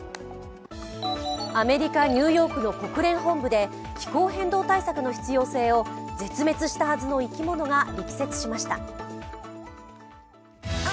アメリカ・ニューヨークの国連本部で気候変動対策の必要性を必要性を絶滅したはずの生き物が力説しました。